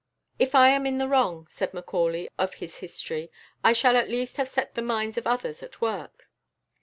"If I am in the wrong," said Macaulay of his history, "I shall at least have set the minds of others at work."